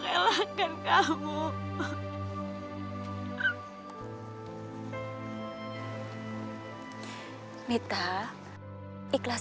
kenapa ini begitu mendadak mas